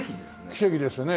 奇跡ですね。